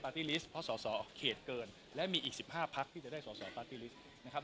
ลิสต์เพราะสอสอเขตเกินและมีอีก๑๕พักที่จะได้สอสอปาร์ตี้ลิสต์นะครับ